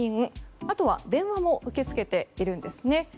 あとは電話も受け付けているんですね。